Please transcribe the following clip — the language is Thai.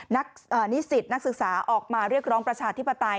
นิสิตนักศึกษาออกมาเรียกร้องประชาธิปไตย